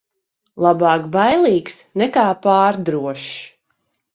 Labāk bailīgs nekā pārdrošs.